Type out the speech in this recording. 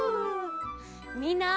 みんな。